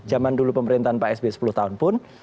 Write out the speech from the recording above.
zaman dulu pemerintahan pak sby sepuluh tahun pun